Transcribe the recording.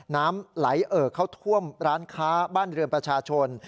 น้ำไหลเอ่อเข้าท่วมร้านค้าบ้านเรือนประชาชน